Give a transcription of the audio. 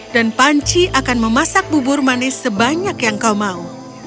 dan panci akan memasak bubur manis sebanyak yang kau mau